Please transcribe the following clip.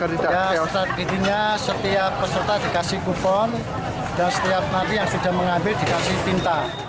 strateginya setiap peserta dikasih kupon dan setiap nanti yang sudah mengambil dikasih tinta